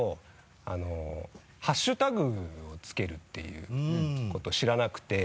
あのハッシュタグを付けるっていうこと知らなくて。